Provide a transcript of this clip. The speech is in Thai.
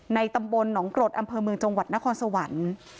ตำบลหนองกรดอำเภอเมืองจังหวัดนครสวรรค์